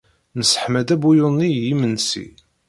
Nesseḥma-d abuyun-nni i yimensi.